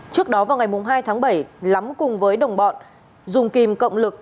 trước đó vào ngày hai tháng bảy lắm cùng với đồng bọn dùng kim cộng lực